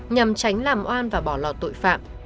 nhằm tránh làm oan và bỏ lò tội phạm